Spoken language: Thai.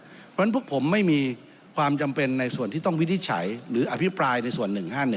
เพราะฉะนั้นพวกผมไม่มีความจำเป็นในส่วนที่ต้องวินิจฉัยหรืออภิปรายในส่วน๑๕๑